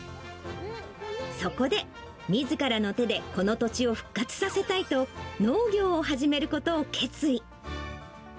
そこで、みずからの手でこの土地を復活させたいと、農業を始めることを決意。